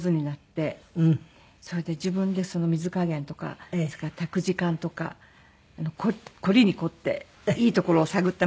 それで自分で水加減とかそれから炊く時間とか凝りに凝っていいところを探ったみたいで。